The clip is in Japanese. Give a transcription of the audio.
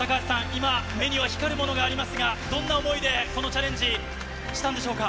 今、目には光るものがありますが、どんな思いでこのチャレンジしたんでしょうか。